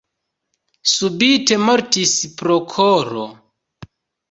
Subite mortis pro koro.